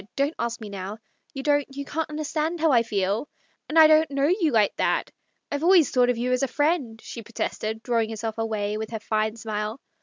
" Don't ask me now. You don't — you can't understand how I feel. And I don't know you like that. I've always thought of you as a friend," she protested, drawing herself away with her fine smile.